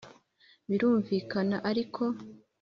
Birumvikana ariko